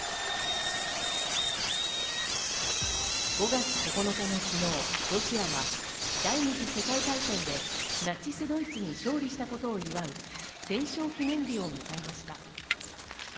５月９日の昨日、ロシアは第二次世界大戦でナチスドイツに勝利したことを祝う戦勝記念日を迎えました。